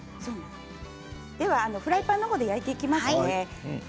ではフライパンで焼いていきますね。